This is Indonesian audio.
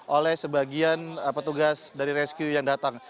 oleh sebagian petugas dari rescue yang datang